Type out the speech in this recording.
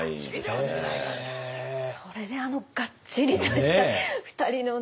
それであのがっちりとした２人のね